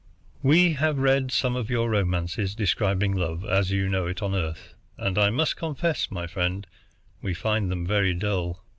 We have read some of your romances describing love as you know it on Earth, and I must confess, my friend, we find them very dull.